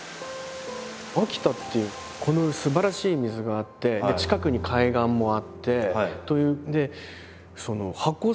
秋田ってこのすばらしい水があって近くに海岸もあってという。